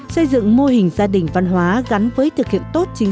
xây dựng mô hình gia đình văn hóa gắn với thực hiện tốt